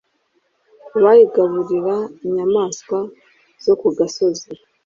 bayigaburira inyamaswa zo ku gasozi